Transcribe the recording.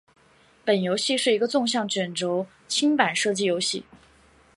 本游戏是一个纵向卷轴清版射击游戏。